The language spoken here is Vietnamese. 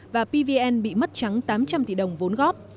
và pvn bị mất trắng tám trăm linh tỷ đồng vốn góp